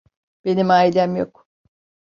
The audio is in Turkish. Benim ailem yok.